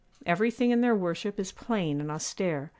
Everything in their worship is plain and austere.